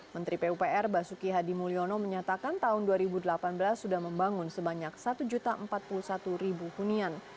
menteri pupr basuki hadi mulyono menyatakan tahun dua ribu delapan belas sudah membangun sebanyak satu empat puluh satu hunian